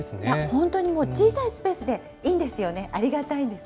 本当にもう、小さいスペースでいいんですよね。